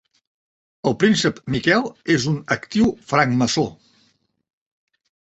El príncep Miquel és un actiu francmaçó.